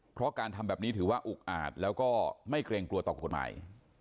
เพราะการทำแบบนี้ถือว่าอุกอาจแล้วก็ไม่เกรงกลัวต่อกฎหมาย